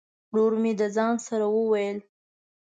ورور مي د ځان سره وویل !